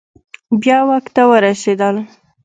بیا واک ته ورسیدل